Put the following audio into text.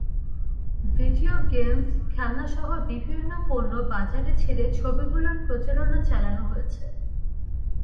Video games, খেলনাসহ বিভিন্ন পণ্য বাজারে ছেড়ে ছবিগুলোর প্রচারণা চালানো হয়েছে।